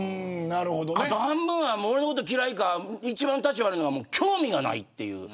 あと半分は、俺のこと嫌いか一番たち悪いのが興味がないっていう。